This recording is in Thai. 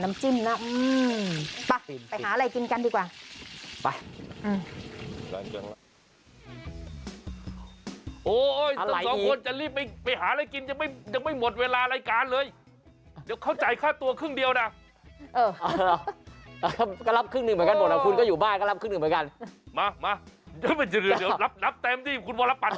มันหมดแล้วคุณก็อยู่บ้านก็รับขึ้นอื่นไปกัน